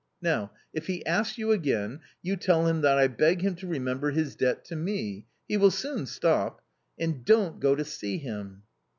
Now, if he asks you again, you tell him that I beg him to remember his debt to me — he will soon stop ! and don't go to see him."